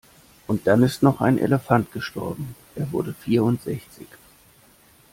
Und dann ist noch ein Elefant gestorben, er wurde vierundsechzig.